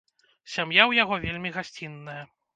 Сям'я ў яго вельмі гасцінная.